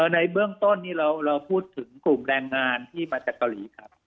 ในเบื้องต้นนี้เราพูดถึงกลุ่มแรงงานที่มาจากเกาหลีครับ